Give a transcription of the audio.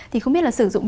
thì không biết là sử dụng